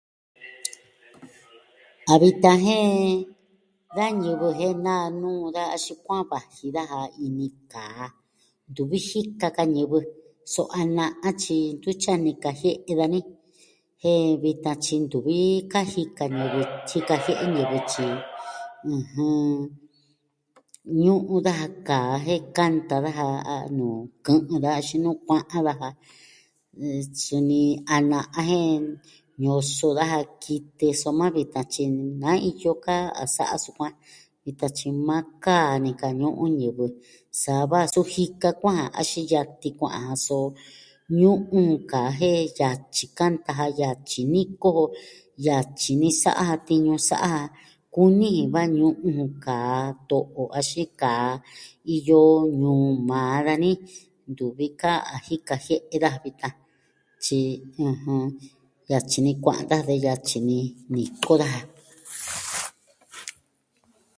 A vitan jen da ñivɨ jen naa nuu daja axin kua'an vaji daja ini kaa ntuvi jika ka ñivɨ so a na'a tyi ntutyi a nikajie'e dani, jen vitan tyi ntuvi ka jika ñivɨ, tyi jika jie'e ñivɨ tyi, ɨjɨn, ñu'un daja kaa jen kanta daja a nuu kɨ'ɨn daja axin nuu kua'an daja. Suni, a na'a jen ñoso daja kitɨ, soma vitan tyi na iyo ka a sa'a sukuan vitan tyi maa kaa nika ñu'un ñivɨ, sa va su jika kua'an axin yatin kua'an, ñu'un jun kaa jen yatyi kanta ja yatyi niko jo, yatyi ni sa'a ja tiñu sa'a ja. Kuni jin va ñu'un jun kaa to'o axin kaa iyo ñuu maa dani ntuvi kaa jika jie'e dajan vitan, tyi, ɨjɨn, yatyi ni kua'an daja de yatyi ni niko daja.